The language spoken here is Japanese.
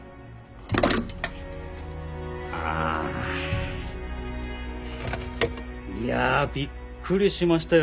ああ。いやびっくりしましたよ